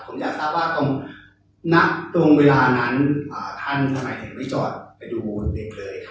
ผมอยากทราบว่าตรงเวลานั้นท่านสมัยเห็นไว้จอดไปดูเฉพาะเลย